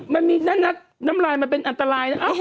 มันมีนั่นนะน้ำลายมันเป็นอันตรายนะ